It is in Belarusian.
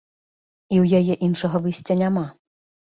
І ў яе іншага выйсця няма.